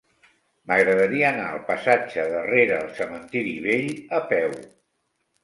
M'agradaria anar al passatge de Rere el Cementiri Vell a peu.